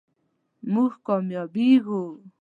مونږ کامیابیږو